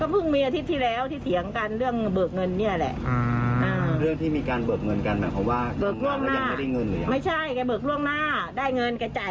เพราะ